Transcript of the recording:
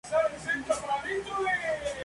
Alimentados por vapor saturado.